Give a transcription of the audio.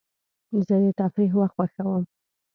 زه د تفریح وخت خوښوم.